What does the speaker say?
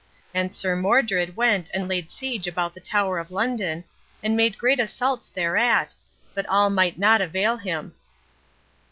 And Sir Modred went and laid siege about the Tower of London, and made great assaults thereat, but all might not avail him.